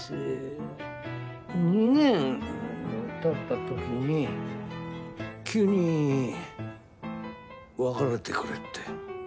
２年経った時に急に別れてくれって。